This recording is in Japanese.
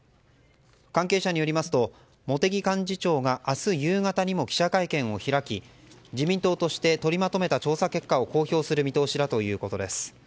関係者によりますと茂木幹事長が明日夕方にも記者会見を開き自民党として取りまとめた調査結果を公表する見通しだということです。